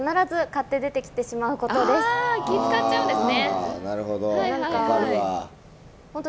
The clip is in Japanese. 気を遣っちゃうんですね。